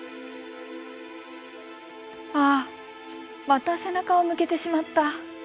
ああまた背中を向けてしまった。